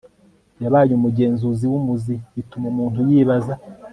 yabaye umugenzuzi wumuzi bituma umuntu yibaza